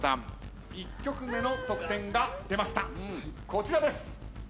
こちらです。